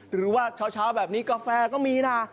หรือว่าเช้าแบบนี้กาแฟก็มีนะ